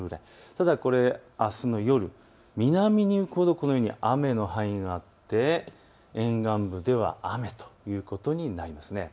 ただ、あすの夜、南に行くほど雨の範囲があって沿岸部では雨ということになります。